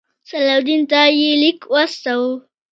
صلاح الدین ته یې لیک واستاوه.